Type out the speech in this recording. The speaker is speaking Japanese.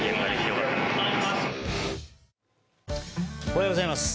おはようございます。